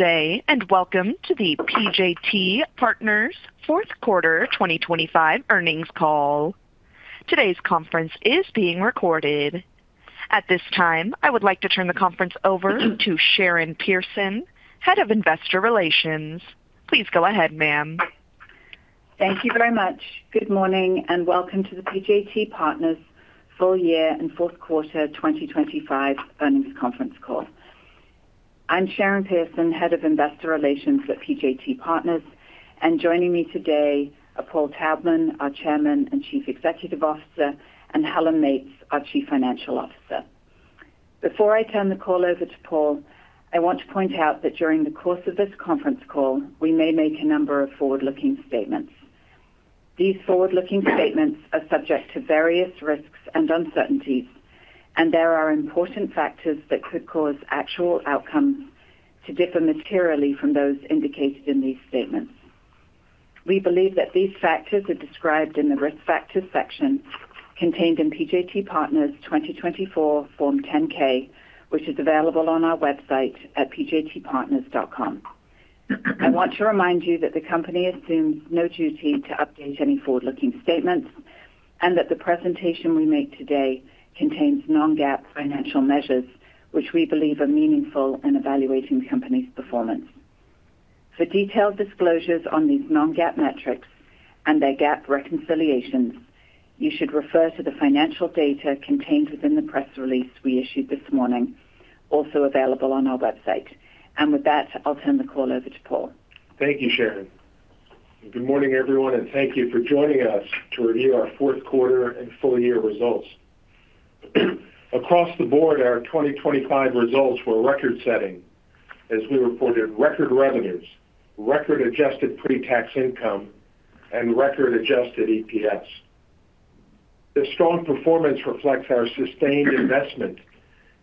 Good day and welcome to the PJT Partners Q4 2025 Earnings Call. Today's conference is being recorded. At this time, I would like to turn the conference over to Sharon Pearson, Head of Investor Relations. Please go ahead, ma'am. Thank you very much. Good morning and welcome to the PJT Partners Full Year and Q4 2025 Earnings Conference Call. I'm Sharon Pearson, Head of Investor Relations at PJT Partners, and joining me today are Paul Taubman, our Chairman and Chief Executive Officer, and Helen Meates, our Chief Financial Officer. Before I turn the call over to Paul, I want to point out that during the course of this conference call, we may make a number of forward-looking statements. These forward-looking statements are subject to various risks and uncertainties, and there are important factors that could cause actual outcomes to differ materially from those indicated in these statements. We believe that these factors are described in the risk factors section contained in PJT Partners' 2024 Form 10-K, which is available on our website at pjtpartners.com. I want to remind you that the company assumes no duty to update any forward-looking statements and that the presentation we make today contains non-GAAP financial measures, which we believe are meaningful in evaluating the company's performance. For detailed disclosures on these non-GAAP metrics and their GAAP reconciliations, you should refer to the financial data contained within the press release we issued this morning, also available on our website. With that, I'll turn the call over to Paul. Thank you, Sharon. Good morning, everyone, and thank you for joining us to review our Q4 and full year results. Across the board, our 2025 results were record-setting, as we reported record revenues, record adjusted pre-tax income, and record adjusted EPS. This strong performance reflects our sustained investment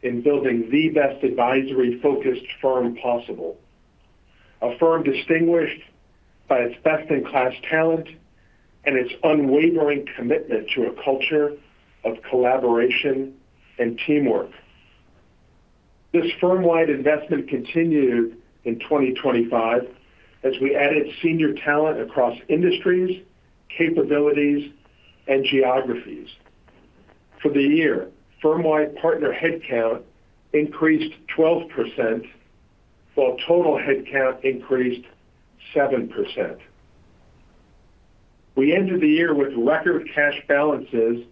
in building the best advisory-focused firm possible, a firm distinguished by its best-in-class talent and its unwavering commitment to a culture of collaboration and teamwork. This firm-wide investment continued in 2025 as we added senior talent across industries, capabilities, and geographies. For the year, firm-wide partner headcount increased 12% while total headcount increased 7%. We ended the year with record cash balances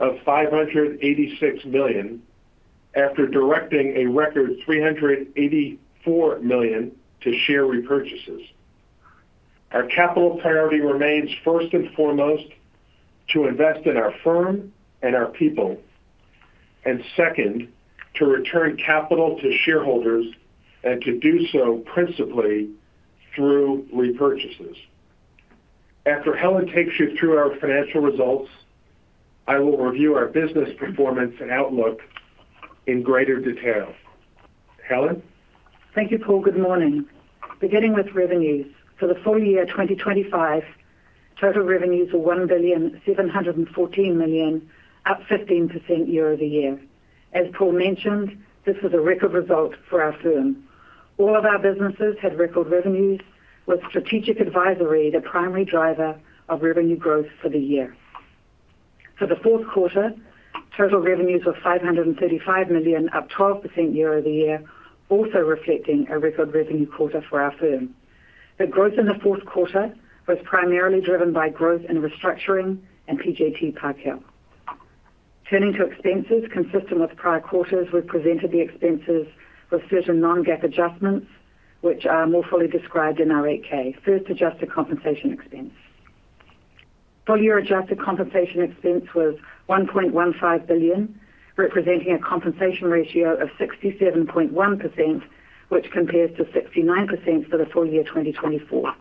of $586 million after directing a record $384 million to share repurchases. Our capital priority remains first and foremost to invest in our firm and our people, and second to return capital to shareholders and to do so principally through repurchases. After Helen takes you through our financial results, I will review our business performance and outlook in greater detail. Helen? Thank you, Paul. Good morning. Beginning with revenues, for the full year 2025, total revenues were $1.714 billion, up 15% year-over-year. As Paul mentioned, this was a record result for our firm. All of our businesses had record revenues, with Strategic Advisory the primary driver of revenue growth for the year. For the Q4, total revenues were $535 million, up 12% year-over-year, also reflecting a record revenue quarter for our firm. The growth in the Q4 was primarily driven by growth in Restructuring and PJT Park Hill. Turning to expenses, consistent with prior quarters, we presented the expenses with certain non-GAAP adjustments, which are more fully described in our 8-K. First, adjusted compensation expense. Full year adjusted compensation expense was $1.15 billion, representing a compensation ratio of 67.1%, which compares to 69% for the full year 2024.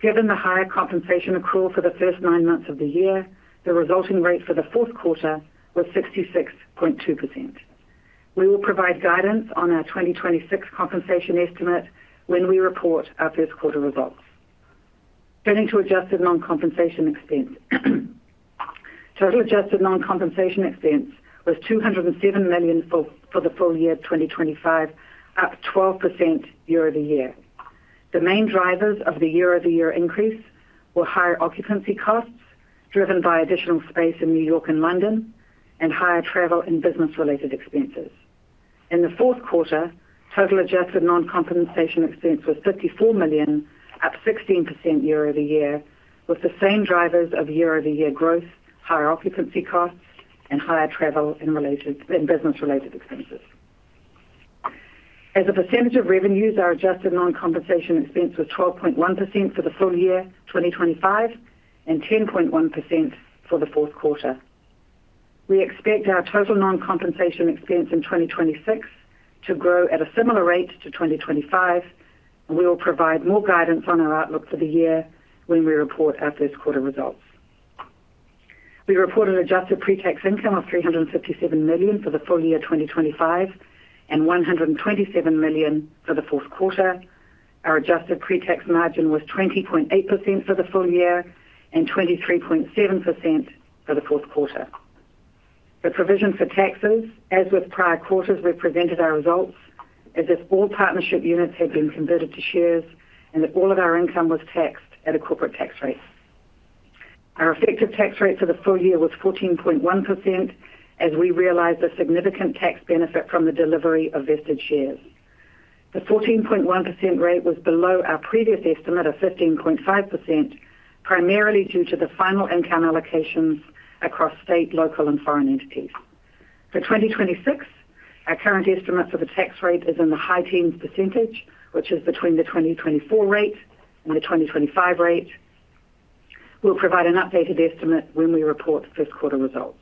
Given the higher compensation accrual for the first nine months of the year, the resulting rate for the Q4 was 66.2%. We will provide guidance on our 2026 compensation estimate when we report our Q1 results. Turning to adjusted non-compensation expense. Total adjusted non-compensation expense was $207 million for the full year 2025, up 12% year-over-year. The main drivers of the year-over-year increase were higher occupancy costs driven by additional space in New York and London, and higher travel and business-related expenses. In the Q4, total adjusted non-compensation expense was $54 million, up 16% year-over-year, with the same drivers of year-over-year growth: higher occupancy costs and higher travel and business-related expenses. As a percentage of revenues, our adjusted non-compensation expense was 12.1% for the full year 2025 and 10.1% for the Q4. We expect our total non-compensation expense in 2026 to grow at a similar rate to 2025, and we will provide more guidance on our outlook for the year when we report our Q1 results. We reported adjusted pre-tax income of $357 million for the full year 2025 and $127 million for the Q4. Our adjusted pre-tax margin was 20.8% for the full year and 23.7% for the Q4. The provision for taxes, as with prior quarters, represented our results as if all partnership units had been converted to shares and that all of our income was taxed at a corporate tax rate. Our effective tax rate for the full year was 14.1% as we realized a significant tax benefit from the delivery of vested shares. The 14.1% rate was below our previous estimate of 15.5%, primarily due to the final income allocations across state, local, and foreign entities. For 2026, our current estimate for the tax rate is in the high-teens %, which is between the 2024 rate and the 2025 rate. We'll provide an updated estimate when we report Q1 results.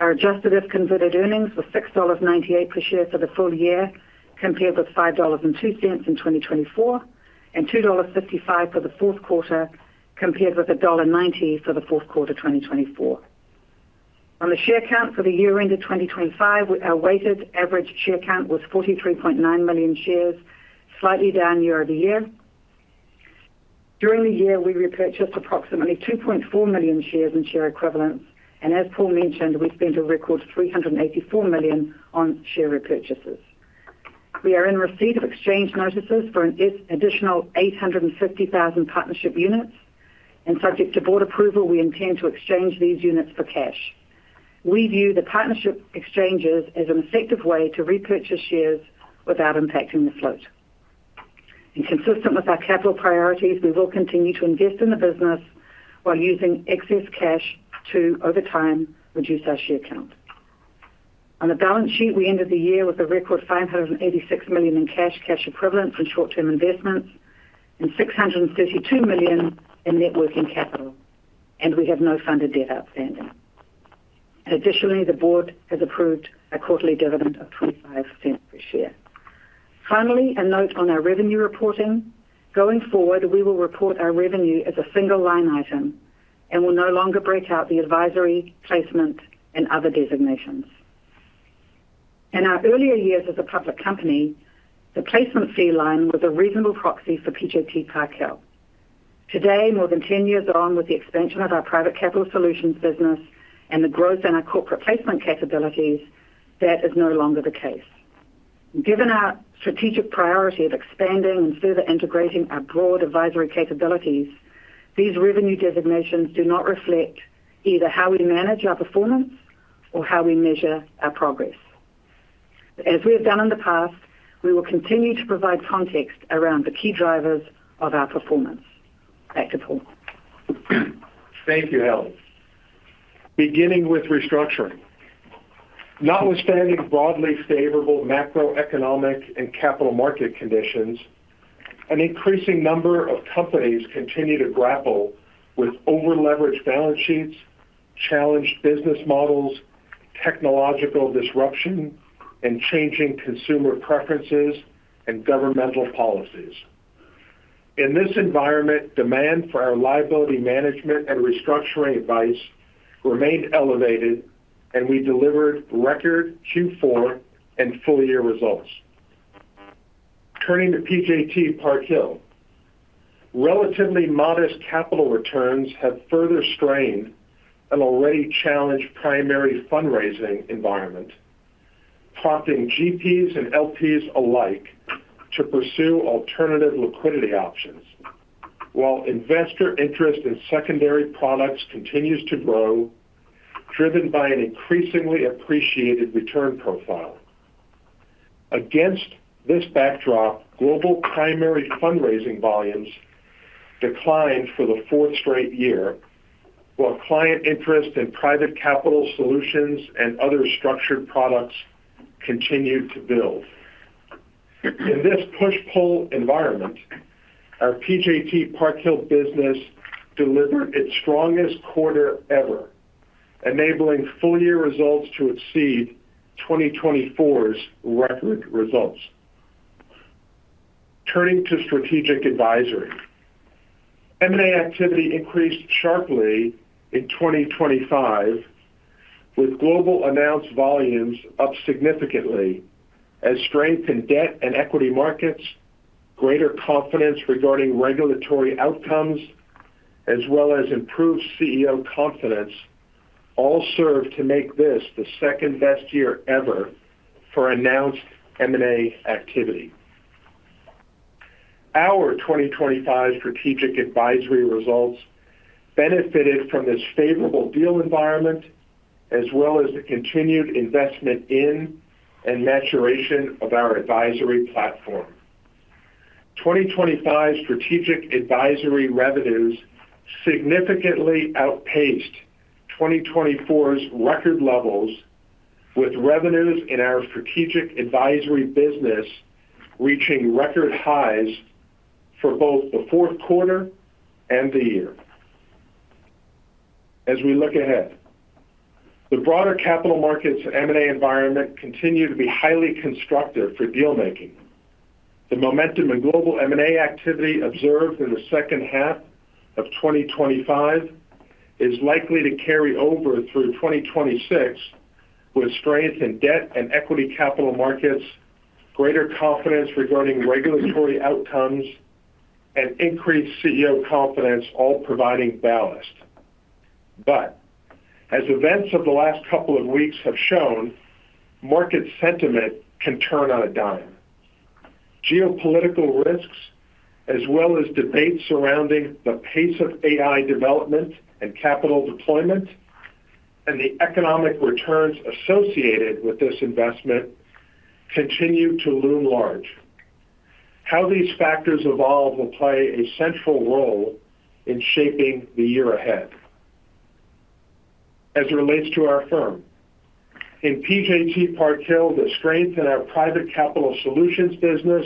Our adjusted as converted earnings were $6.98 per share for the full year, compared with $5.02 in 2024, and $2.55 for the Q4, compared with $1.90 for the Q4 2024. On the share count for the year-end of 2025, our weighted average share count was 43.9 million shares, slightly down year-over-year. During the year, we repurchased approximately 2.4 million shares in share equivalents, and as Paul mentioned, we spent a record $384 million on share repurchases. We are in receipt of exchange notices for an additional 850,000 partnership units, and subject to Board approval, we intend to exchange these units for cash. We view the partnership exchanges as an effective way to repurchase shares without impacting the float. Consistent with our capital priorities, we will continue to invest in the business while using excess cash to, over time, reduce our share count. On the balance sheet, we ended the year with a record $586 million in cash, cash equivalents and short-term investments, and $632 million in net working capital, and we have no funded debt outstanding. Additionally, the Board has approved a quarterly dividend of $0.25 per share. Finally, a note on our revenue reporting. Going forward, we will report our revenue as a single line item and will no longer break out the advisory placement and other designations. In our earlier years as a public company, the placement fee line was a reasonable proxy for PJT Park Hill. Today, more than 10 years on with the expansion of our Private Capital Solutions business and the growth in our corporate placement capabilities, that is no longer the case. Given our strategic priority of expanding and further integrating our broad advisory capabilities, these revenue designations do not reflect either how we manage our performance or how we measure our progress. As we have done in the past, we will continue to provide context around the key drivers of our performance. Back to Paul. Thank you, Helen. Beginning with Restructuring. Notwithstanding broadly favorable macroeconomic and capital market conditions, an increasing number of companies continue to grapple with over-leveraged balance sheets, challenged business models, technological disruption, and changing consumer preferences and governmental policies. In this environment, demand for our Liability Management and Restructuring advice remained elevated, and we delivered record Q4 and full year results. Turning to PJT Park Hill. Relatively modest capital returns have further strained an already challenged primary fundraising environment, prompting GPs and LPs alike to pursue alternative liquidity options while investor interest in secondary products continues to grow, driven by an increasingly appreciated return profile. Against this backdrop, global primary fundraising volumes declined for the fourth straight year while client interest in Private Capital Solutions and other structured products continued to build. In this push-pull environment, our PJT Park Hill business delivered its strongest quarter ever, enabling full year results to exceed 2024's record results. Turning to Strategic Advisory. M&A activity increased sharply in 2025, with global announced volumes up significantly as strength in debt and equity markets, greater confidence regarding regulatory outcomes, as well as improved CEO confidence all served to make this the second best year ever for announced M&A activity. Our 2025 Strategic Advisory results benefited from this favorable deal environment as well as the continued investment in and maturation of our advisory platform. 2025 Strategic Advisory revenues significantly outpaced 2024's record levels, with revenues in our Strategic Advisory business reaching record highs for both the Q4 and the year. As we look ahead, the broader capital markets M&A environment continues to be highly constructive for dealmaking. The momentum in global M&A activity observed in the second half of 2025 is likely to carry over through 2026 with strength in debt and equity capital markets, greater confidence regarding regulatory outcomes, and increased CEO confidence all providing ballast. But as events of the last couple of weeks have shown, market sentiment can turn on a dime. Geopolitical risks, as well as debates surrounding the pace of AI development and capital deployment and the economic returns associated with this investment, continue to loom large. How these factors evolve will play a central role in shaping the year ahead. As it relates to our firm, in PJT Park Hill, the strength in our Private Capital Solutions business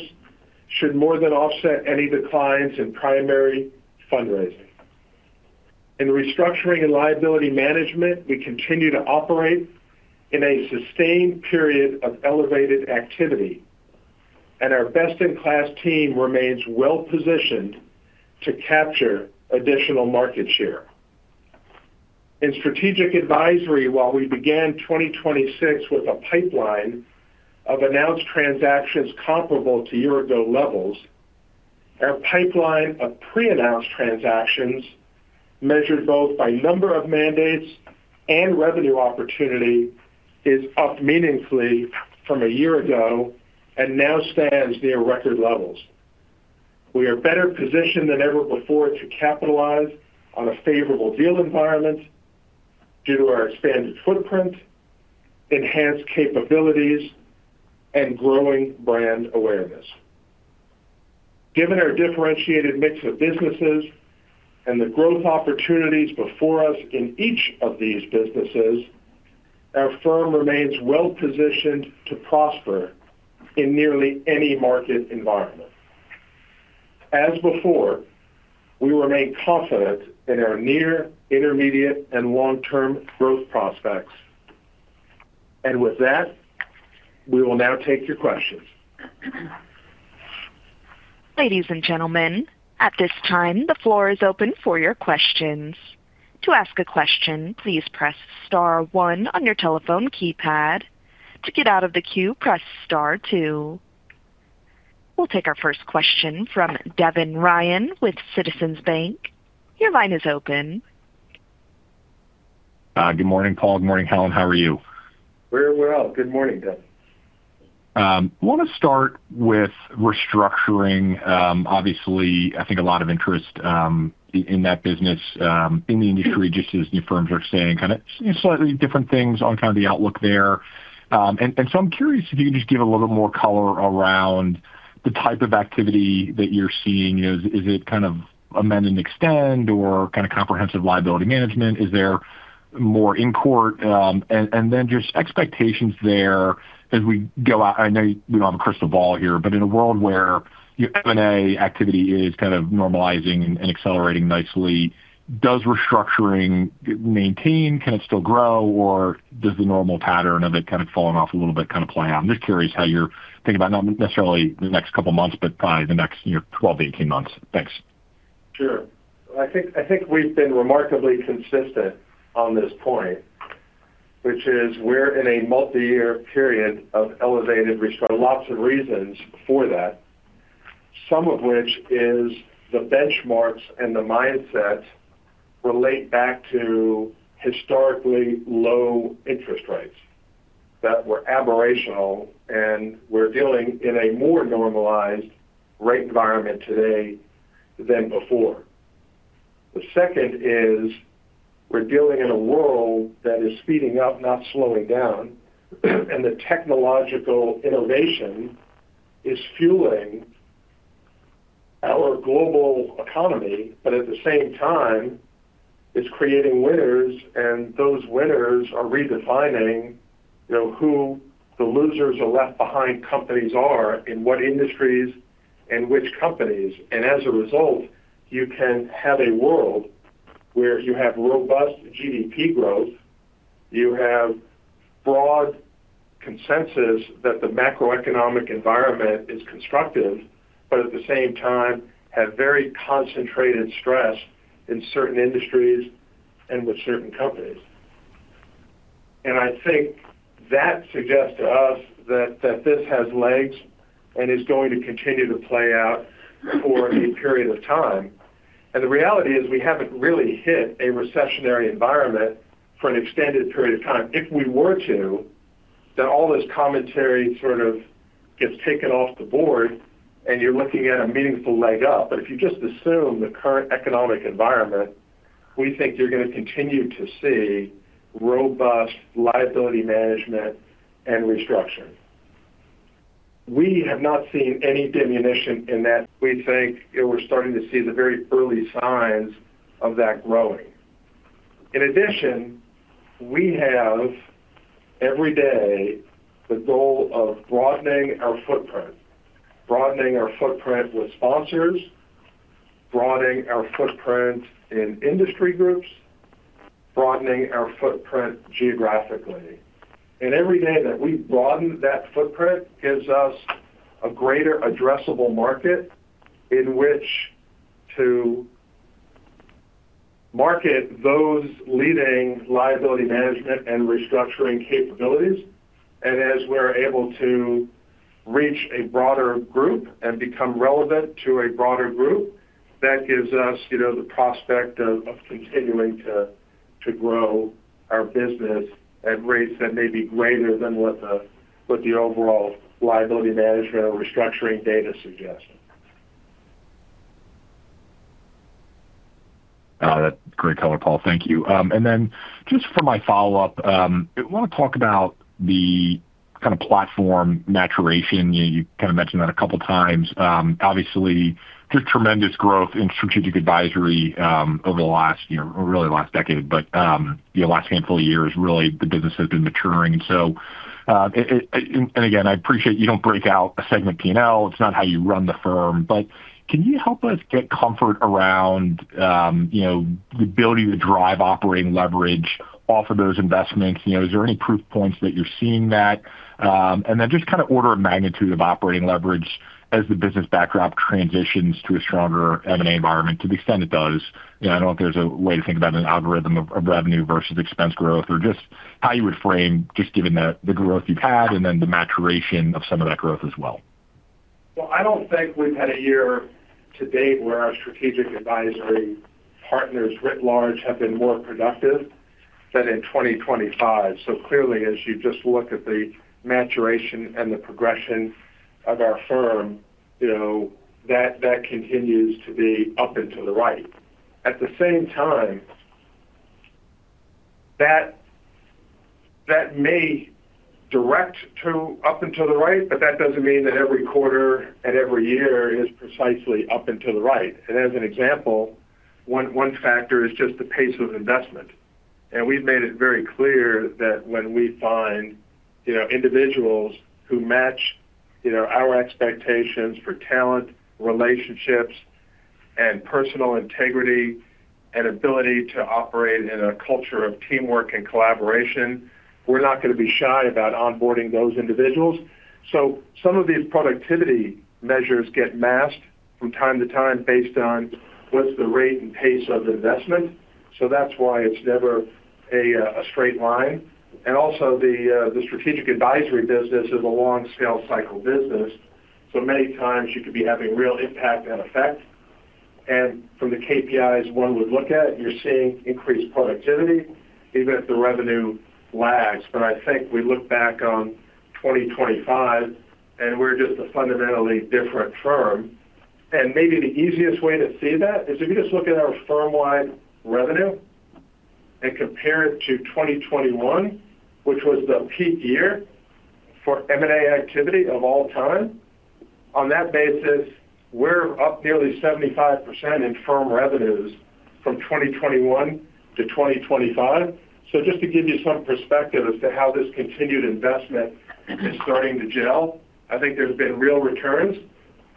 should more than offset any declines in primary fundraising. In restructuring and Liability Management, we continue to operate in a sustained period of elevated activity, and our best-in-class team remains well-positioned to capture additional market share. In strategic advisory, while we began 2026 with a pipeline of announced transactions comparable to year-ago levels, our pipeline of pre-announced transactions measured both by number of mandates and revenue opportunity is up meaningfully from a year ago and now stands near record levels. We are better positioned than ever before to capitalize on a favorable deal environment due to our expanded footprint, enhanced capabilities, and growing brand awareness. Given our differentiated mix of businesses and the growth opportunities before us in each of these businesses, our firm remains well-positioned to prosper in nearly any market environment. As before, we remain confident in our near, intermediate, and long-term growth prospects. With that, we will now take your questions. Ladies and gentlemen, at this time, the floor is open for your questions. To ask a question, please press star one on your telephone keypad. To get out of the queue, press star two. We'll take our first question from Devin Ryan with Citizens JMP. Your line is open. Good morning, Paul. Good morning, Helen. How are you? We're well. Good morning, Devin. I want to start with Restructuring. Obviously, I think a lot of interest in that business, in the industry, just as new firms are saying, kind of slightly different things on kind of the outlook there. And so I'm curious if you could just give a little more color around the type of activity that you're seeing. Is it kind of amend and extend or kind of comprehensive Liability Management? Is there more in-court? And then just expectations there as we go out. I know we don't have a crystal ball here, but in a world where M&A activity is kind of normalizing and accelerating nicely, does Restructuring maintain? Can it still grow, or does the normal pattern of it kind of falling off a little bit kind of play out? I'm just curious how you're thinking about not necessarily the next couple of months, but probably the next 12-18 months. Thanks. Sure. I think we've been remarkably consistent on this point, which is we're in a multi-year period of elevated. There are lots of reasons for that, some of which is the benchmarks and the mindset relate back to historically low interest rates that were aberrational, and we're dealing in a more normalized rate environment today than before. The second is we're dealing in a world that is speeding up, not slowing down, and the technological innovation is fueling our global economy, but at the same time, it's creating winners, and those winners are redefining who the losers of left-behind companies are in what industries and which companies. And as a result, you can have a world where you have robust GDP growth, you have broad consensus that the macroeconomic environment is constructive, but at the same time, have very concentrated stress in certain industries and with certain companies. I think that suggests to us that this has legs and is going to continue to play out for a period of time. The reality is we haven't really hit a recessionary environment for an extended period of time. If we were to, then all this commentary sort of gets taken off the board, and you're looking at a meaningful leg up. But if you just assume the current economic environment, we think you're going to continue to see robust Liability Management and restructuring. We have not seen any diminution in that. We think we're starting to see the very early signs of that growing. In addition, we have, every day, the goal of broadening our footprint, broadening our footprint with sponsors, broadening our footprint in industry groups, broadening our footprint geographically. And every day that we broaden that footprint gives us a greater addressable market in which to market those leading Liability Management and Restructuring capabilities. And as we're able to reach a broader group and become relevant to a broader group, that gives us the prospect of continuing to grow our business at rates that may be greater than what the overall Liability Management or Restructuring data suggests. That's a great color, Paul. Thank you. And then just for my follow-up, I want to talk about the kind of platform maturation. You kind of mentioned that a couple of times. Obviously, just tremendous growth in strategic advisory over the last really last decade, but last handful of years, really, the business has been maturing. And again, I appreciate you don't break out a segment P&L. It's not how you run the firm. But can you help us get comfort around the ability to drive operating leverage off of those investments? Is there any proof points that you're seeing that? And then just kind of order of magnitude of operating leverage as the business backdrop transitions to a stronger M&A environment, to the extent it does. I don't know if there's a way to think about an algorithm of revenue versus expense growth or just how you would frame, just given the growth you've had and then the maturation of some of that growth as well? Well, I don't think we've had a year to date where our strategic advisory partners, writ large, have been more productive than in 2025. So clearly, as you just look at the maturation and the progression of our firm, that continues to be up and to the right. At the same time, that may direct to up and to the right, but that doesn't mean that every quarter and every year is precisely up and to the right. And as an example, one factor is just the pace of investment. And we've made it very clear that when we find individuals who match our expectations for talent, relationships, and personal integrity and ability to operate in a culture of teamwork and collaboration, we're not going to be shy about onboarding those individuals. So some of these productivity measures get masked from time to time based on what's the rate and pace of investment. So that's why it's never a straight line. And also, the Strategic Advisory business is a long-scale cycle business. So many times, you could be having real impact and effect. And from the KPIs one would look at, you're seeing increased productivity even if the revenue lags. But I think we look back on 2025, and we're just a fundamentally different firm. And maybe the easiest way to see that is if you just look at our firm-wide revenue and compare it to 2021, which was the peak year for M&A activity of all time. On that basis, we're up nearly 75% in firm revenues from 2021 to 2025. Just to give you some perspective as to how this continued investment is starting to gel, I think there's been real returns.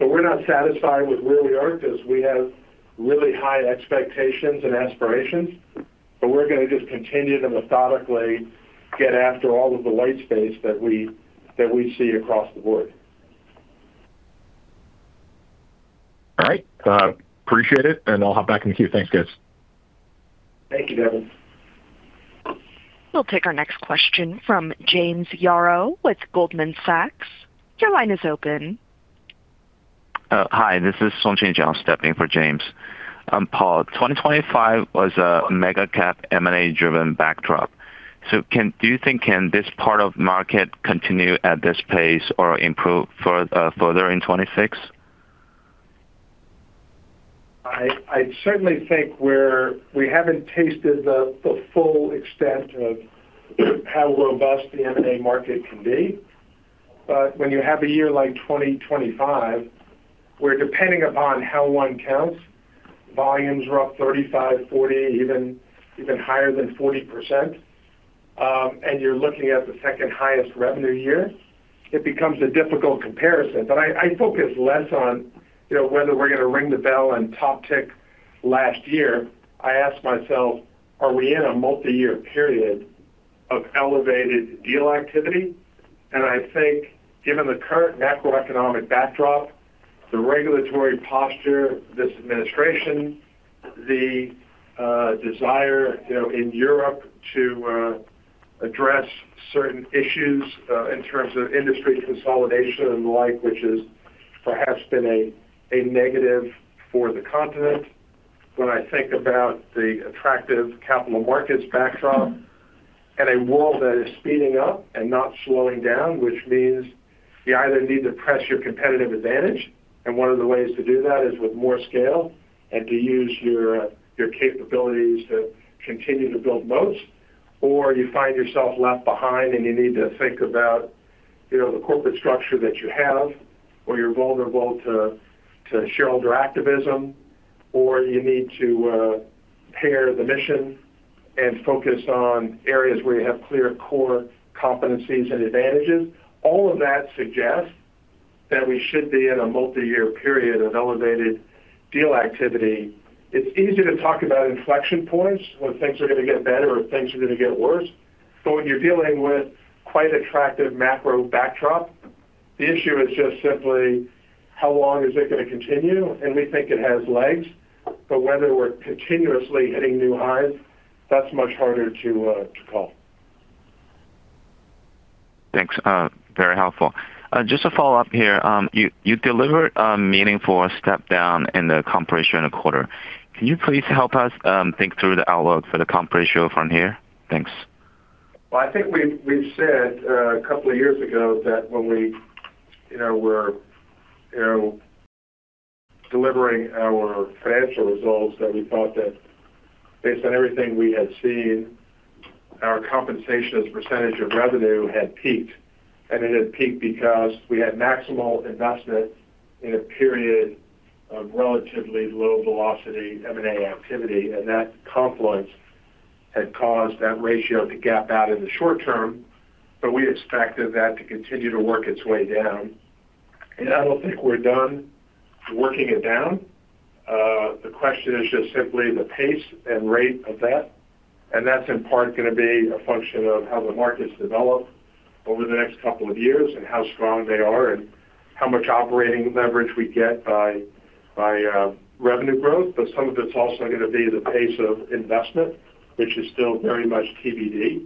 We're not satisfied with where we are because we have really high expectations and aspirations. We're going to just continue to methodically get after all of the white space that we see across the board. All right. Appreciate it. I'll hop back in the queue. Thanks, guys. Thank you, Devin. We'll take our next question from James Yaro with Goldman Sachs. Your line is open. Hi. This is [Analyst] stepping in for James. Paul, 2025 was a mega-cap M&A-driven backdrop. So do you think this part of the market continue at this pace or improve further in 2026? I certainly think we haven't tasted the full extent of how robust the M&A market can be. But when you have a year like 2025, where depending upon how one counts, volumes are up 35, 40, even higher than 40%, and you're looking at the second-highest revenue year, it becomes a difficult comparison. But I focus less on whether we're going to ring the bell and top-tick last year. I ask myself, are we in a multi-year period of elevated deal activity? I think given the current macroeconomic backdrop, the regulatory posture, this administration, the desire in Europe to address certain issues in terms of industry consolidation and the like, which has perhaps been a negative for the continent, when I think about the attractive capital markets backdrop and a world that is speeding up and not slowing down, which means you either need to press your competitive advantage, and one of the ways to do that is with more scale and to use your capabilities to continue to build moats, or you find yourself left behind and you need to think about the corporate structure that you have, or you're vulnerable to shareholder activism, or you need to pare the mission and focus on areas where you have clear core competencies and advantages. All of that suggests that we should be in a multi-year period of elevated deal activity. It's easy to talk about inflection points when things are going to get better or things are going to get worse. But when you're dealing with quite attractive macro backdrop, the issue is just simply how long is it going to continue? And we think it has legs. But whether we're continuously hitting new highs, that's much harder to call. Thanks. Very helpful. Just a follow-up here. You delivered a meaningful step down in the comp ratio in a quarter. Can you please help us think through the outlook for the comp ratio from here? Thanks. Well, I think we've said a couple of years ago that when we were delivering our financial results, that we thought that based on everything we had seen, our compensation as a percentage of revenue had peaked. And it had peaked because we had maximal investment in a period of relatively low-velocity M&A activity. And that confluence had caused that ratio to gap out in the short term. But we expected that to continue to work its way down. And I don't think we're done working it down. The question is just simply the pace and rate of that. And that's in part going to be a function of how the markets develop over the next couple of years and how strong they are and how much operating leverage we get by revenue growth. But some of it's also going to be the pace of investment, which is still very much TBD.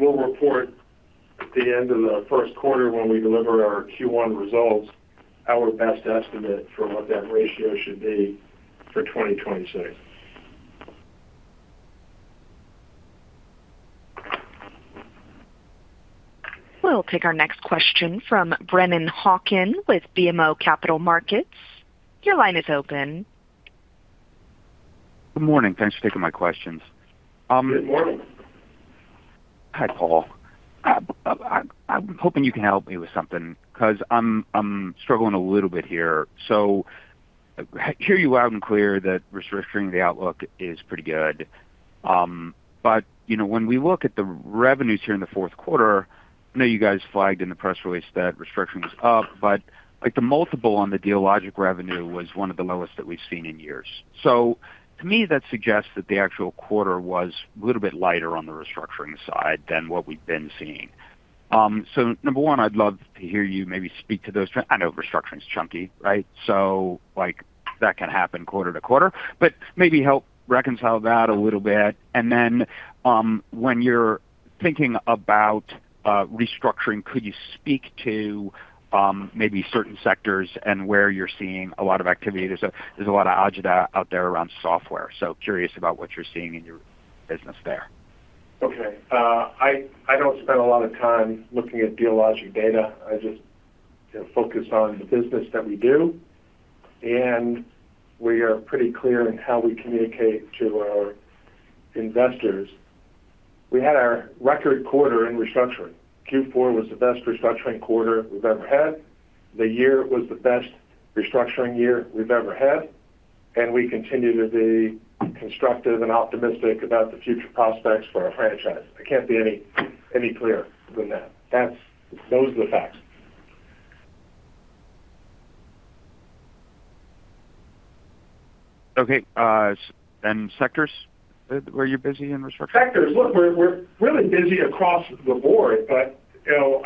We'll report at the end of the Q1 when we deliver our Q1 results our best estimate for what that ratio should be for 2026. We'll take our next question from Brennan Hawken with BMO Capital Markets. Your line is open. Good morning. Thanks for taking my questions. Good morning. Hi, Paul. I'm hoping you can help me with something because I'm struggling a little bit here. So I hear you loud and clear that restructuring the outlook is pretty good. But when we look at the revenues here in the Q4, I know you guys flagged in the press release that restructuring was up, but the multiple on the Dealogic revenue was one of the lowest that we've seen in years. So to me, that suggests that the actual quarter was a little bit lighter on the restructuring side than what we've been seeing. So number one, I'd love to hear you maybe speak to those. I know restructuring's chunky, right? So that can happen quarter to quarter. But maybe help reconcile that a little bit. And then when you're thinking about restructuring, could you speak to maybe certain sectors and where you're seeing a lot of activity? There's a lot of agita out there around software. So curious about what you're seeing in your business there. Okay. I don't spend a lot of time looking at Dealogic data. I just focus on the business that we do. We are pretty clear in how we communicate to our investors. We had our record quarter in Restructuring. Q4 was the best Restructuring quarter we've ever had. The year was the best Restructuring year we've ever had. We continue to be constructive and optimistic about the future prospects for our franchise. I can't be any clearer than that. Those are the facts. Okay. And sectors where you're busy in restructuring? Sectors. Look, we're really busy across the board, but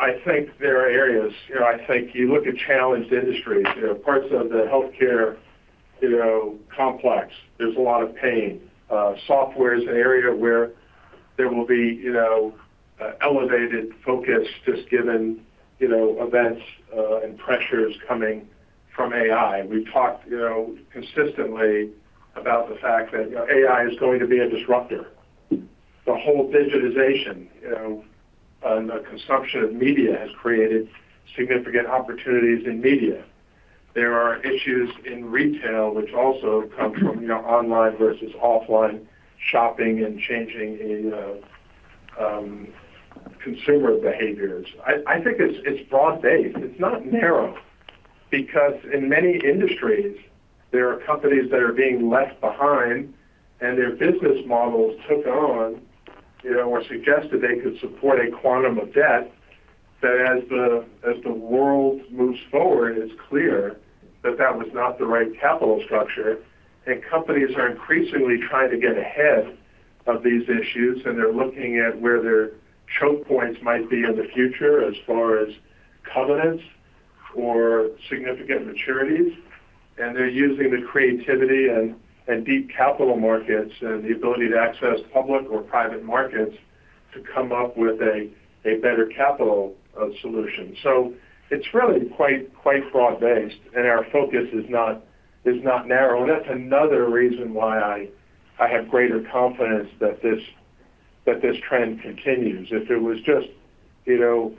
I think there are areas I think you look at challenged industries, parts of the healthcare complex, there's a lot of pain. Software is an area where there will be elevated focus just given events and pressures coming from AI. We've talked consistently about the fact that AI is going to be a disruptor. The whole digitization and the consumption of media has created significant opportunities in media. There are issues in retail, which also come from online versus offline shopping and changing consumer behaviors. I think it's broad-based. It's not narrow because in many industries, there are companies that are being left behind, and their business models took on or suggested they could support a quantum of debt. But as the world moves forward, it's clear that that was not the right capital structure. companies are increasingly trying to get ahead of these issues, and they're looking at where their choke points might be in the future as far as covenants or significant maturities. They're using the creativity and deep capital markets and the ability to access public or private markets to come up with a better capital solution. It's really quite broad-based, and our focus is not narrow. That's another reason why I have greater confidence that this trend continues. If it was just a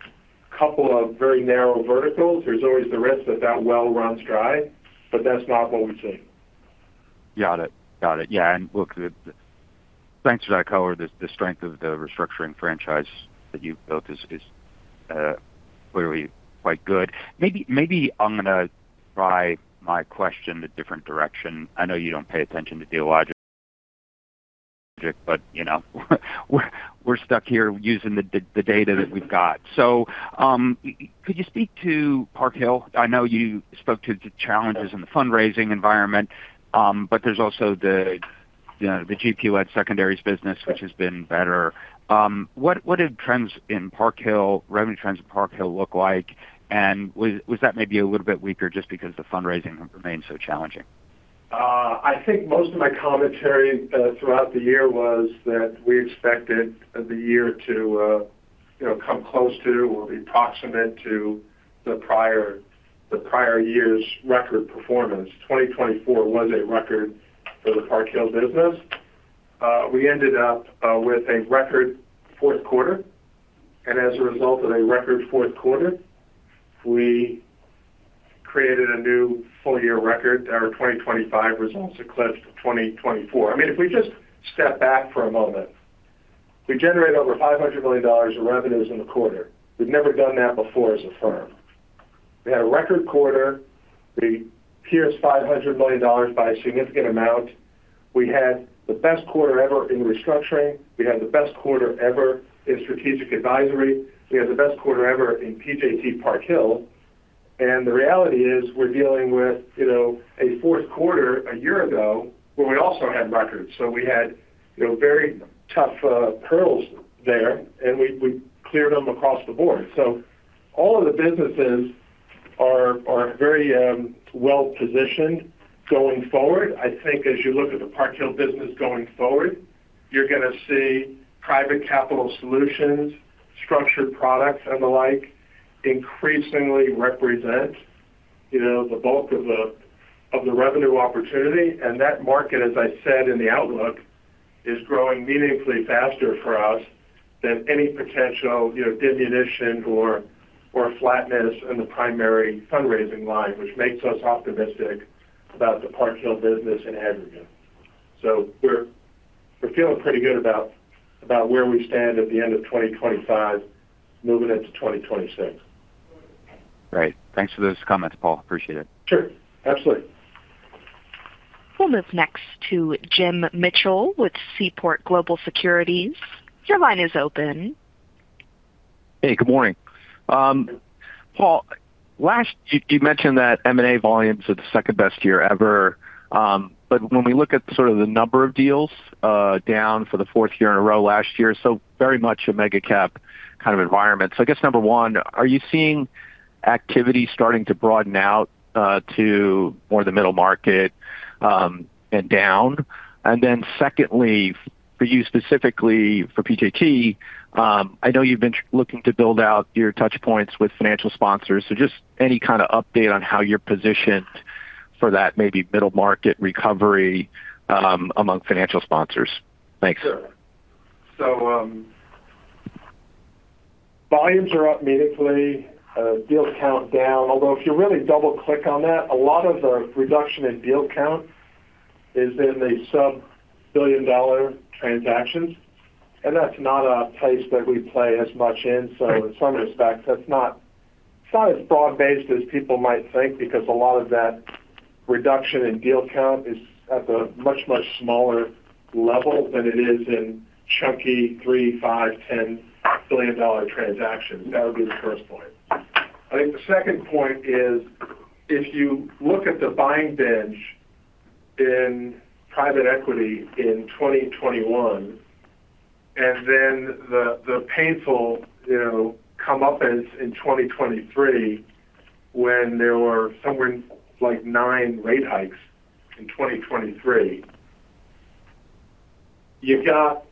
couple of very narrow verticals, there's always the risk that that well runs dry. That's not what we've seen. Got it. Got it. Yeah. And look, thanks for that color. The strength of the restructuring franchise that you've built is clearly quite good. Maybe I'm going to try my question in a different direction. I know you don't pay attention to Dealogic, but we're stuck here using the data that we've got. So could you speak to Park Hill? I know you spoke to the challenges in the fundraising environment, but there's also the GP-led secondaries business, which has been better. What did revenue trends in Park Hill look like? And was that maybe a little bit weaker just because the fundraising remained so challenging? I think most of my commentary throughout the year was that we expected the year to come close to or be proximate to the prior year's record performance. 2024 was a record for the PJT Park Hill business. We ended up with a record Q4. As a result of a record Q4, we created a new full-year record. Our 2025 results eclipsed 2024. I mean, if we just step back for a moment, we generate over $500 million of revenues in a quarter. We've never done that before as a firm. We had a record quarter. We pierced $500 million by a significant amount. We had the best quarter ever in Restructuring. We had the best quarter ever in Strategic Advisory. We had the best quarter ever in PJT Park Hill. The reality is we're dealing with a Q4 a year ago where we also had records. So we had very tough hurdles there, and we cleared them across the board. So all of the businesses are very well-positioned going forward. I think as you look at the Park Hill business going forward, you're going to see Private Capital Solutions, structured products, and the like increasingly represent the bulk of the revenue opportunity. And that market, as I said in the outlook, is growing meaningfully faster for us than any potential diminution or flatness in the primary fundraising line, which makes us optimistic about the Park Hill business in aggregate. So we're feeling pretty good about where we stand at the end of 2025 moving into 2026. Great. Thanks for those comments, Paul. Appreciate it. Sure. Absolutely. We'll move next to Jim Mitchell with Seaport Global Securities. Your line is open. Hey. Good morning. Paul, you mentioned that M&A volumes are the second-best year ever. But when we look at sort of the number of deals down for the fourth year in a row last year, so very much a mega-cap kind of environment. So I guess, number one, are you seeing activity starting to broaden out to more of the middle market and down? And then secondly, for you specifically, for PJT, I know you've been looking to build out your touchpoints with financial sponsors. So just any kind of update on how you're positioned for that maybe middle market recovery among financial sponsors. Thanks. Sure. So volumes are up meaningfully. Deal count down. Although if you really double-click on that, a lot of the reduction in deal count is in the sub-$1 billion-dollar transactions. And that's not a place that we play as much in. So in some respects, that's not as broad-based as people might think because a lot of that reduction in deal count is at a much, much smaller level than it is in chunky $3, $5, $10 billion-dollar transactions. That would be the first point. I think the second point is if you look at the buying binge in private equity in 2021 and then the painful comeuppance in 2023 when there were somewhere like nine rate hikes in 2023, you've got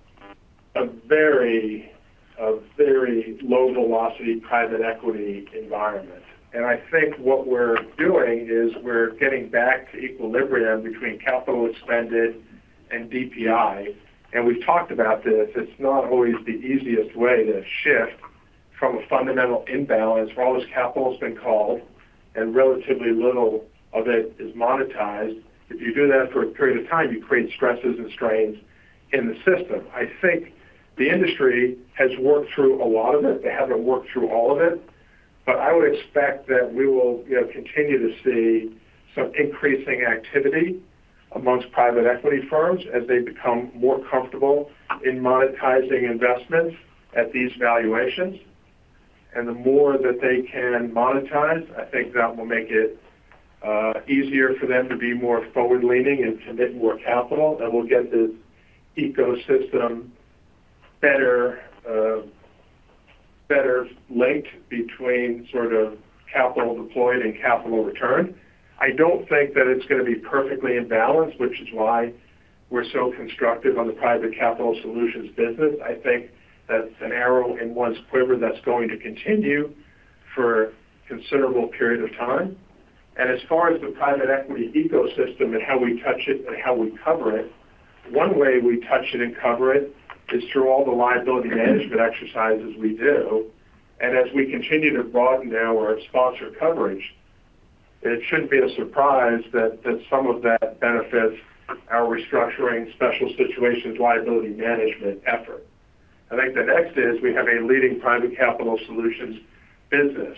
a very low-velocity private equity environment. And I think what we're doing is we're getting back to equilibrium between capital expended and DPI. And we've talked about this. It's not always the easiest way to shift from a fundamental imbalance where all this capital's been called and relatively little of it is monetized. If you do that for a period of time, you create stresses and strains in the system. I think the industry has worked through a lot of it. They haven't worked through all of it. But I would expect that we will continue to see some increasing activity among private equity firms as they become more comfortable in monetizing investments at these valuations. And the more that they can monetize, I think that will make it easier for them to be more forward-leaning and commit more capital. And we'll get this ecosystem better linked between sort of capital deployed and capital returned. I don't think that it's going to be perfectly imbalanced, which is why we're so constructive on the Private Capital Solutions business. I think that's an arrow in one's quiver that's going to continue for a considerable period of time. As far as the private equity ecosystem and how we touch it and how we cover it, one way we touch it and cover it is through all the Liability Management exercises we do. As we continue to broaden our sponsor coverage, it shouldn't be a surprise that some of that benefits our Restructuring, Special Situations, Liability Management effort. I think the next is we have a leading Private Capital Solutions business.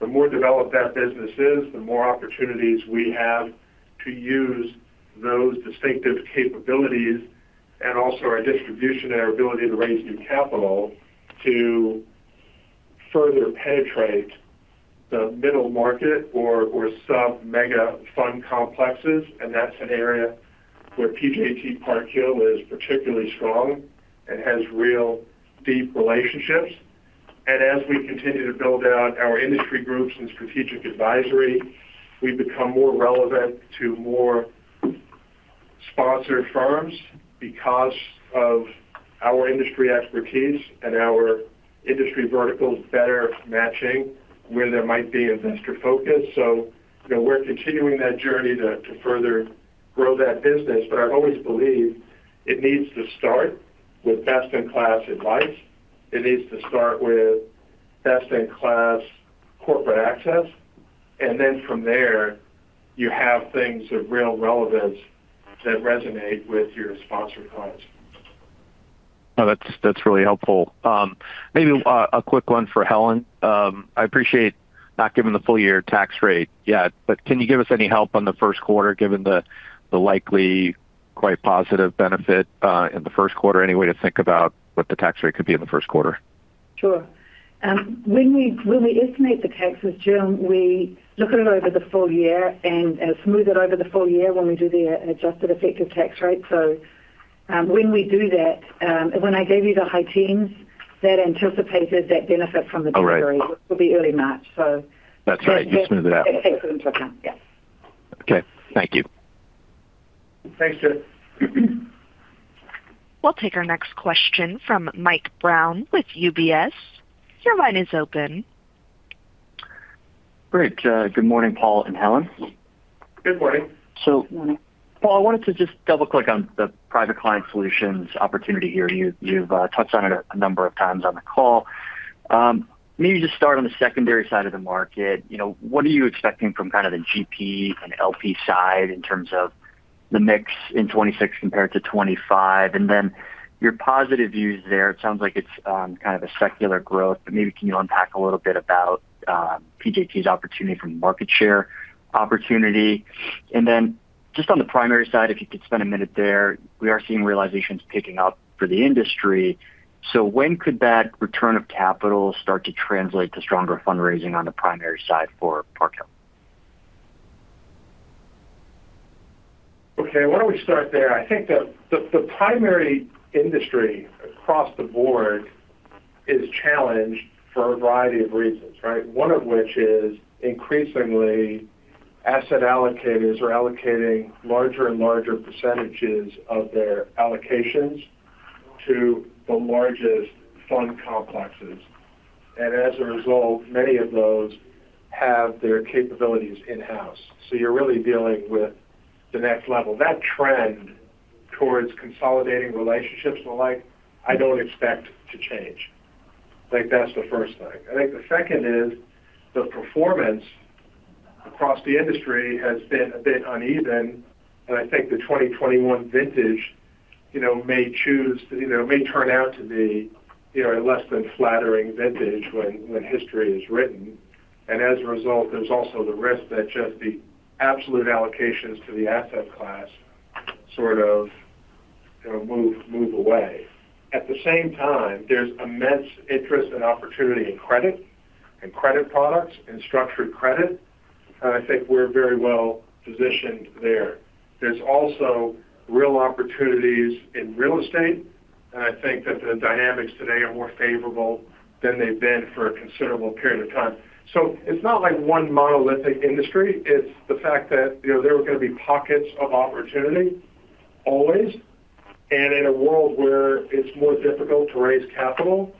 The more developed that business is, the more opportunities we have to use those distinctive capabilities and also our distributionary ability to raise new capital to further penetrate the middle market or sub-mega fund complexes. That's an area where PJT Park Hill is particularly strong and has real deep relationships. As we continue to build out our industry groups and strategic advisory, we become more relevant to more sponsored firms because of our industry expertise and our industry verticals better matching where there might be investor focus. So we're continuing that journey to further grow that business. But I always believe it needs to start with best-in-class advice. It needs to start with best-in-class corporate access. And then from there, you have things of real relevance that resonate with your sponsored clients. Oh, that's really helpful. Maybe a quick one for Helen. I appreciate not giving the full-year tax rate yet, but can you give us any help on the Q1 given the likely quite positive benefit in the Q1 anyway to think about what the tax rate could be in the Q1? Sure. When we estimate the taxes, Jim, we look at it over the full year and smooth it over the full year when we do the adjusted effective tax rate. So when we do that, when I gave you the high teens, that anticipated that benefit from the Treasury, which will be early March. So. That's right. You smoothed it out. It's excellent to account. Yep. Okay. Thank you. Thanks, Jim. We'll take our next question from Mike Brown with UBS. Your line is open. Great. Good morning, Paul and Helen. Good morning. So, Paul, I wanted to just double-click on the Private Capital Solutions opportunity here. You've touched on it a number of times on the call. Maybe just start on the secondary side of the market. What are you expecting from kind of the GP and LP side in terms of the mix in 2026 compared to 2025? And then your positive views there, it sounds like it's kind of a secular growth, but maybe can you unpack a little bit about PJT's opportunity from market share opportunity? And then just on the primary side, if you could spend a minute there, we are seeing realizations picking up for the industry. So when could that return of capital start to translate to stronger fundraising on the primary side for Park Hill? Okay. Why don't we start there? I think the primary industry across the board is challenged for a variety of reasons, right? One of which is increasingly, asset allocators are allocating larger and larger percentages of their allocations to the largest fund complexes. And as a result, many of those have their capabilities in-house. So you're really dealing with the next level. That trend towards consolidating relationships and the like, I don't expect to change. I think that's the first thing. I think the second is the performance across the industry has been a bit uneven. And I think the 2021 vintage may turn out to be a less than flattering vintage when history is written. And as a result, there's also the risk that just the absolute allocations to the asset class sort of move away. At the same time, there's immense interest and opportunity in credit and credit products and structured credit. And I think we're very well-positioned there. There's also real opportunities in real estate. And I think that the dynamics today are more favorable than they've been for a considerable period of time. So it's not like one monolithic industry. It's the fact that there are going to be pockets of opportunity always. And in a world where it's more difficult to raise capital,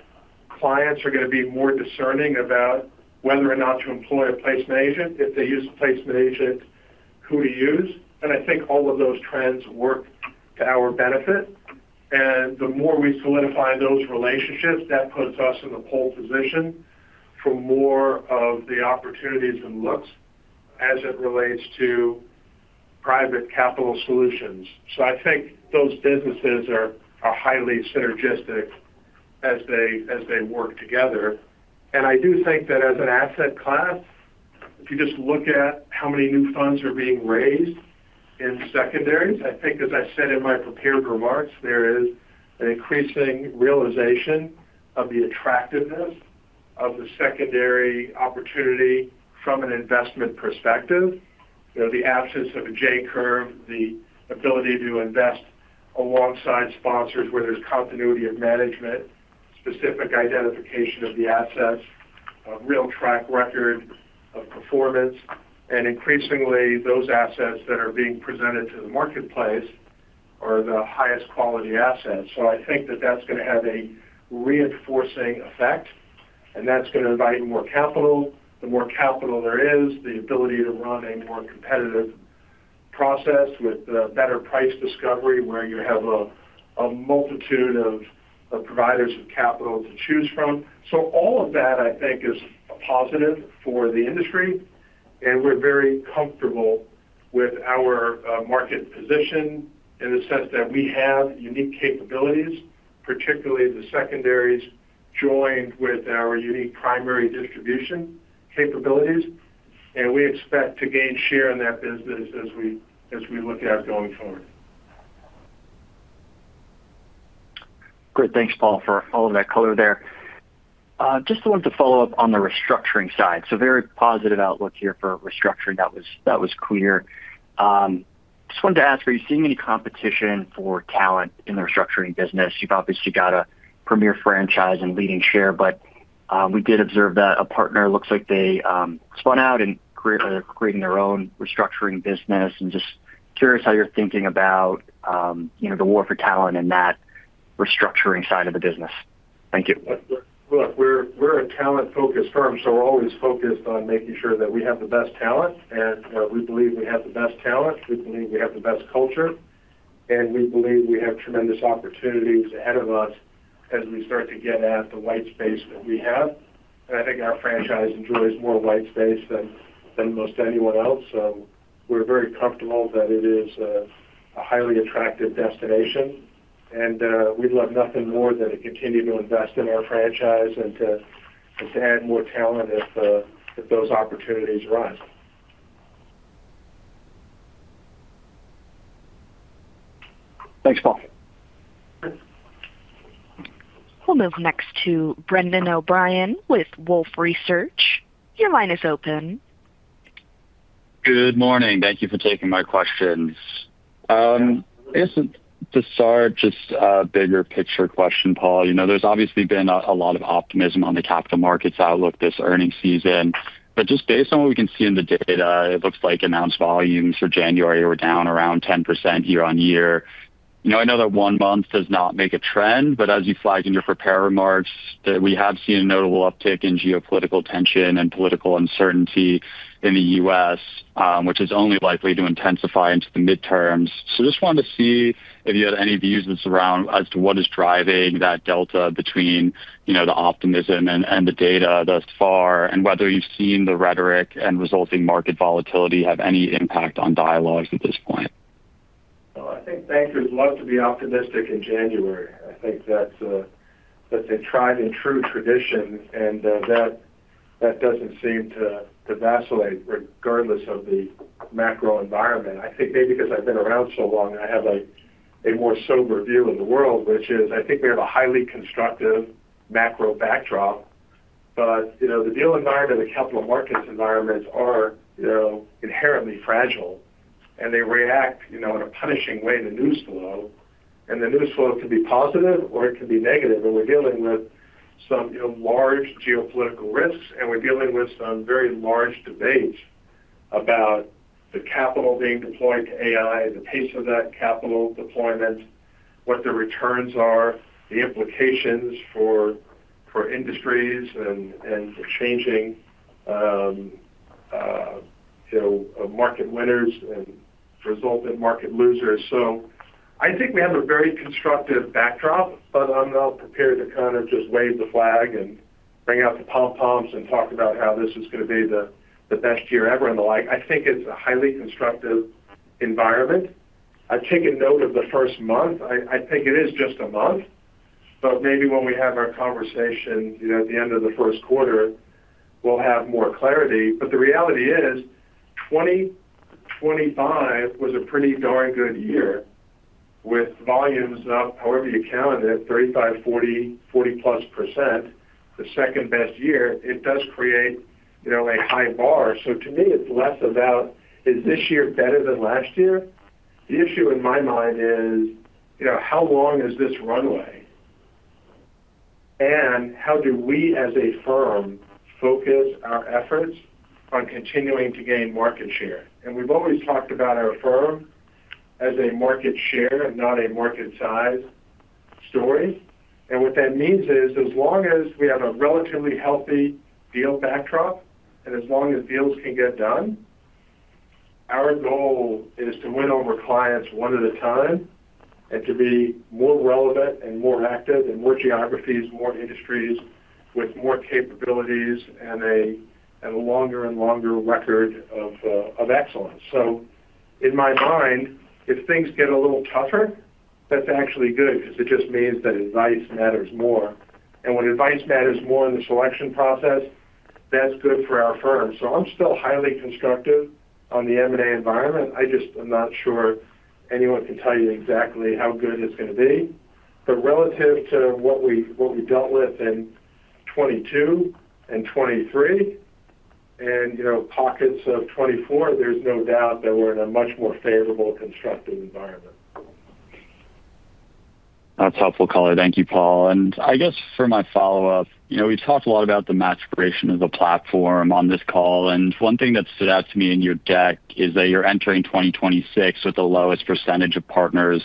clients are going to be more discerning about whether or not to employ a placement agent. If they use a placement agent, who to use? And I think all of those trends work to our benefit. And the more we solidify those relationships, that puts us in the pole position for more of the opportunities and looks as it relates to Private Capital Solutions. I think those businesses are highly synergistic as they work together. I do think that as an asset class, if you just look at how many new funds are being raised in secondaries, I think, as I said in my prepared remarks, there is an increasing realization of the attractiveness of the secondary opportunity from an investment perspective. The absence of a J-Curve, the ability to invest alongside sponsors where there's continuity of management, specific identification of the assets, a real track record of performance. Increasingly, those assets that are being presented to the marketplace are the highest quality assets. I think that that's going to have a reinforcing effect. That's going to invite more capital. The more capital there is, the ability to run a more competitive process with better price discovery where you have a multitude of providers of capital to choose from. All of that, I think, is a positive for the industry. We're very comfortable with our market position in the sense that we have unique capabilities, particularly the secondaries joined with our unique primary distribution capabilities. We expect to gain share in that business as we look at it going forward. Great. Thanks, Paul, for all of that color there. Just wanted to follow up on the restructuring side. So very positive outlook here for restructuring. That was clear. Just wanted to ask, are you seeing any competition for talent in the restructuring business? You've obviously got a premier franchise and leading share, but we did observe that a partner, it looks like they spun out and are creating their own restructuring business. And just curious how you're thinking about the war for talent in that restructuring side of the business. Thank you. Look, we're a talent-focused firm. So we're always focused on making sure that we have the best talent. And we believe we have the best talent. We believe we have the best culture. And we believe we have tremendous opportunities ahead of us as we start to get at the white space that we have. And I think our franchise enjoys more white space than most anyone else. So we're very comfortable that it is a highly attractive destination. And we'd love nothing more than to continue to invest in our franchise and to add more talent if those opportunities arise. Thanks, Paul. We'll move next to Brendan O'Brien with Wolfe Research. Your line is open. Good morning. Thank you for taking my questions. This isn't to start just a bigger picture question, Paul. There's obviously been a lot of optimism on the capital markets outlook this earnings season. But just based on what we can see in the data, it looks like announced volumes for January were down around 10% year-on-year. I know that one month does not make a trend, but as you flagged in your prepared remarks, we have seen a notable uptick in geopolitical tension and political uncertainty in the U.S., which is only likely to intensify into the midterms. So just wanted to see if you had any views as to what is driving that delta between the optimism and the data thus far and whether you've seen the rhetoric and resulting market volatility have any impact on dialogues at this point. Well, I think bankers love to be optimistic in January. I think that's a tried-and-true tradition. And that doesn't seem to vacillate regardless of the macro environment. I think maybe because I've been around so long, I have a more sober view of the world, which is I think we have a highly constructive macro backdrop. But the deal environment and capital markets environments are inherently fragile. And they react in a punishing way to news flow. And the news flow can be positive or it can be negative. And we're dealing with some large geopolitical risks. And we're dealing with some very large debates about the capital being deployed to AI, the pace of that capital deployment, what the returns are, the implications for industries, and the changing market winners and resultant market losers. So I think we have a very constructive backdrop, but I'm not prepared to kind of just wave the flag and bring out the pompoms and talk about how this is going to be the best year ever and the like. I think it's a highly constructive environment. I've taken note of the first month. I think it is just a month. But maybe when we have our conversation at the end of the Q1, we'll have more clarity. But the reality is 2025 was a pretty darn good year with volumes up, however you count it, 35%, 40%, 40%+, the second best year. It does create a high bar. So to me, it's less about, "Is this year better than last year?" The issue in my mind is, "How long is this runway?" And how do we as a firm focus our efforts on continuing to gain market share? And we've always talked about our firm as a market share and not a market size story. And what that means is as long as we have a relatively healthy deal backdrop and as long as deals can get done, our goal is to win over clients one at a time and to be more relevant and more active in more geographies, more industries with more capabilities and a longer and longer record of excellence. So in my mind, if things get a little tougher, that's actually good because it just means that advice matters more. And when advice matters more in the selection process, that's good for our firm. I'm still highly constructive on the M&A environment. I just am not sure anyone can tell you exactly how good it's going to be. But relative to what we dealt with in 2022 and 2023 and pockets of 2024, there's no doubt that we're in a much more favorable constructive environment. That's helpful, Color. Thank you, Paul. I guess for my follow-up, we've talked a lot about the match creation of the platform on this call. One thing that stood out to me in your deck is that you're entering 2026 with the lowest percentage of partners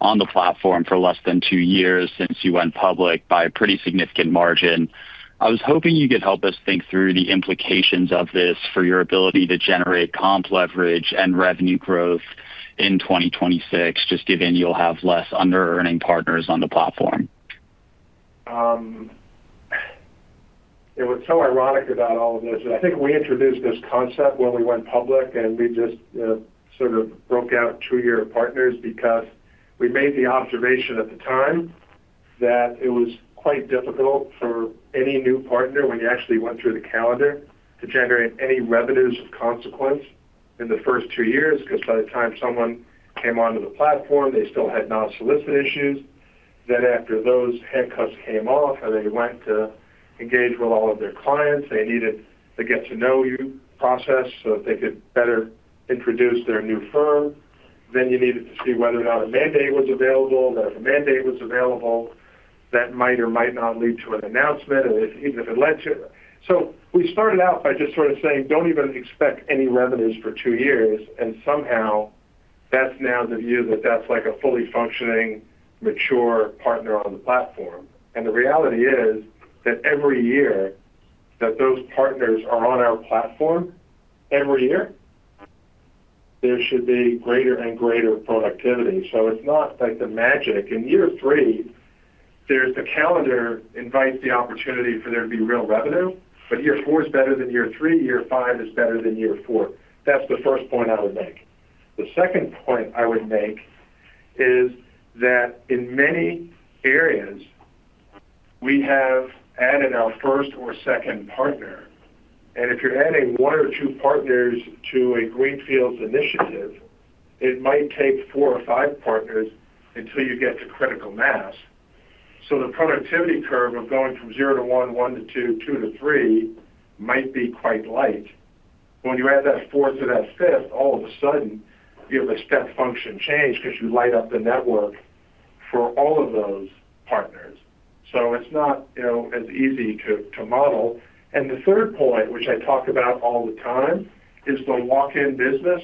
on the platform for less than two years since you went public by a pretty significant margin. I was hoping you could help us think through the implications of this for your ability to generate comp leverage and revenue growth in 2026 just given you'll have less under-earning partners on the platform. It was so ironic about all of this. I think we introduced this concept when we went public, and we just sort of broke out two-year partners because we made the observation at the time that it was quite difficult for any new partner when you actually went through the calendar to generate any revenues of consequence in the first two years because by the time someone came onto the platform, they still had non-solicit issues. Then after those handcuffs came off and they went to engage with all of their clients, they needed the get-to-know-you process so that they could better introduce their new firm. Then you needed to see whether or not a mandate was available, and that if a mandate was available, that might or might not lead to an announcement, even if it led to it. We started out by just sort of saying, "Don't even expect any revenues for two years." Somehow, that's now the view that that's a fully functioning, mature partner on the platform. The reality is that every year that those partners are on our platform, every year, there should be greater and greater productivity. It's not like the magic. In year three, the calendar invites the opportunity for there to be real revenue. Year four is better than year three. Year five is better than year four. That's the first point I would make. The second point I would make is that in many areas, we have added our first or second partner. If you're adding one or two partners to a greenfields initiative, it might take four or five partners until you get to critical mass. So the productivity curve of going from 0 to 1, 1 to 2, 2 to 3 might be quite light. But when you add that fourth to that fifth, all of a sudden, you have a step function change because you light up the network for all of those partners. So it's not as easy to model. And the third point, which I talk about all the time, is the walk-in business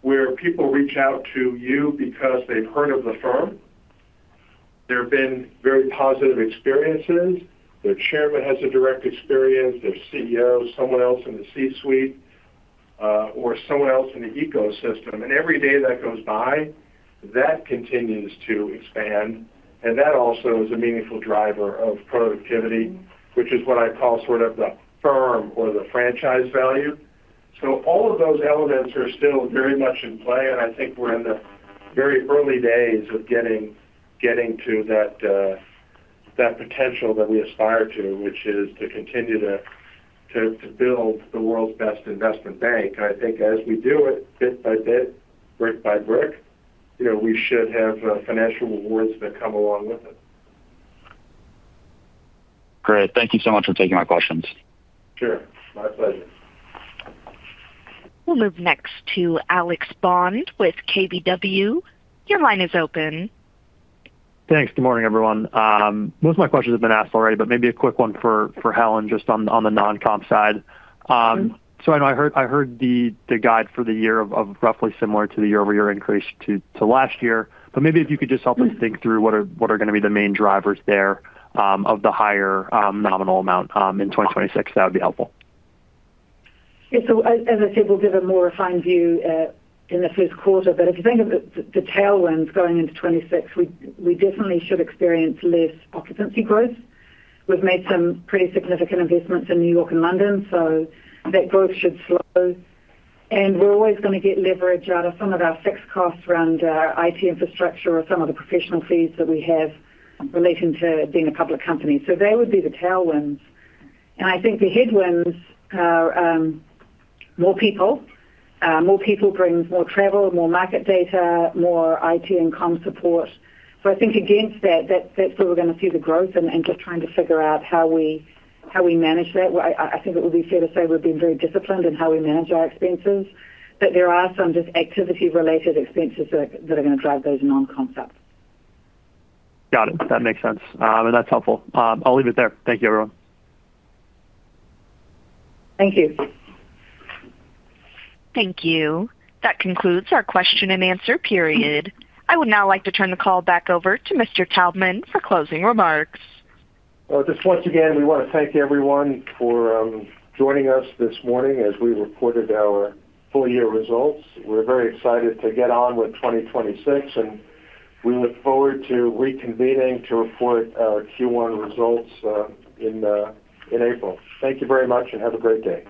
where people reach out to you because they've heard of the firm. There have been very positive experiences. Their chairman has a direct experience. Their CEO, someone else in the C-suite, or someone else in the ecosystem. And every day that goes by, that continues to expand. And that also is a meaningful driver of productivity, which is what I call sort of the firm or the franchise value. All of those elements are still very much in play. And I think we're in the very early days of getting to that potential that we aspire to, which is to continue to build the world's best investment bank. And I think as we do it bit by bit, brick by brick, we should have financial rewards that come along with it. Great. Thank you so much for taking my questions. Sure. My pleasure. We'll move next to Alex Bond with KBW. Your line is open. Thanks. Good morning, everyone. Most of my questions have been asked already, but maybe a quick one for Helen just on the non-comp side. So I know I heard the guide for the year of roughly similar to the year-over-year increase to last year. But maybe if you could just help us think through what are going to be the main drivers there of the higher nominal amount in 2026, that would be helpful. Yeah. So as I said, we'll give a more refined view in the Q1. But if you think of the tailwinds going into 2026, we definitely should experience less occupancy growth. We've made some pretty significant investments in New York and London. So that growth should slow. And we're always going to get leverage out of some of our fixed costs around IT infrastructure or some of the professional fees that we have relating to being a public company. So they would be the tailwinds. And I think the headwinds are more people. More people brings more travel, more market data, more IT and comms support. So I think against that, that's where we're going to see the growth and just trying to figure out how we manage that. I think it would be fair to say we're being very disciplined in how we manage our expenses. But there are some just activity-related expenses that are going to drive those non-comps up. Got it. That makes sense. And that's helpful. I'll leave it there. Thank you, everyone. Thank you. Thank you. That concludes our question-and-answer period. I would now like to turn the call back over to Mr. Taubman for closing remarks. Well, just once again, we want to thank everyone for joining us this morning as we reported our full-year results. We're very excited to get on with 2026. We look forward to reconvening to report our Q1 results in April. Thank you very much and have a great day.